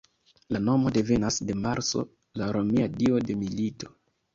La nomo devenas de Marso, la romia dio de milito.